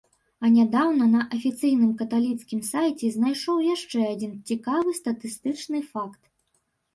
А нядаўна на афіцыйным каталіцкім сайце знайшоў яшчэ адзін цікавы статыстычны факт.